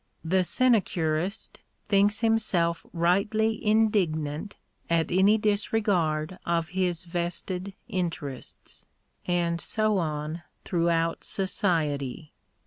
The sine curist thinks himself rightly indignant at any disregard of his vested interests. And so on throughout society.